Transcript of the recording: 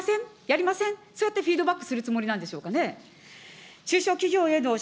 できません、やりません、そうやってフィードバックするつもりなんでしょうかね。